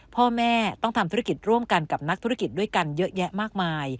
พ่อแม่ต้องทำธุรกิจร่วมกันกับนักธุรกิจด้วยกันเยอะแยะมากมาย